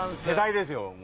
世代ですよ。